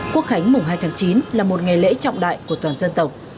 quốc khánh mùng hai tháng chín là một ngày lễ trọng đại của toàn dân tộc